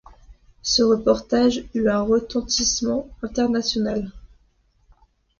Ce reportage eut un retentissement international.